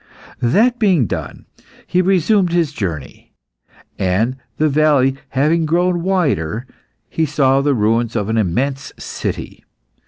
That being done, he resumed his journey, and the valley having grown wider, he saw the ruins of an immense city.